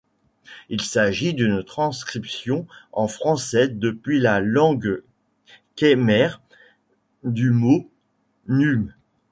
Il s'agit d'une transcription en français depuis la langue khmère du mot កម្ពុជា.